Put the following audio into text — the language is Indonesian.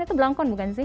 itu belangkon bukan sih